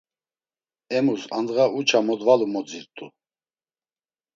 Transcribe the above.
Emus andğa uça modvalu modzirt̆u.